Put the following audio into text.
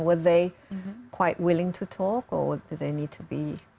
mereka cukup berani untuk berbicara atau mereka perlu